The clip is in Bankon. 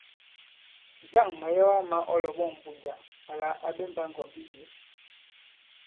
Njâŋ màyɛwa mā ɔ lɔ̀ɓɔ̂ŋ Mbunja àla à ɓɛmbā ŋgɔ̀mbi yě ?